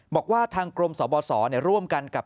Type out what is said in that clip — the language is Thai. บอกว่าทางกรมสบสร่วมกันกับ